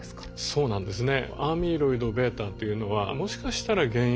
そうなんですね。